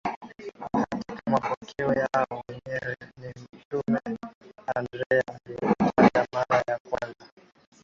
Katika mapokeo yao wenyewe ni Mtume Andrea aliyeleta mara ya kwanza